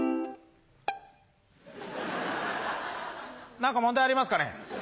何か問題ありますかね？